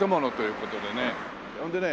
ほんでね